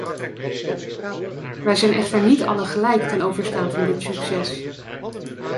Wij zijn echter niet allen gelijk ten overstaan van dit succes.